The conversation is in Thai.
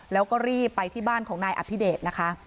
แล้วก็รีบไปที่บ้านของนายอภิเดชนะคะ